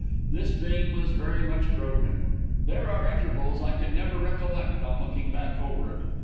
This dream was very much broken. There are intervals I can never recollect on looking back over it.